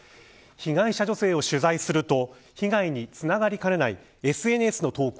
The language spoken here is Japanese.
被害者女性を取材すると被害につながりかねないＳＮＳの投稿。